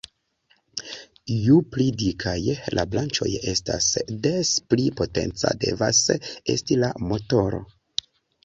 Ju pli dikaj la branĉoj estas, des pli potenca devas esti la motoro.